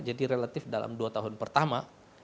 jadi relatif dalam dua tahun pertama